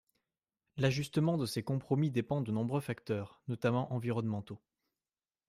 L’ajustement de ces compromis dépend de nombreux facteurs, notamment environnementaux.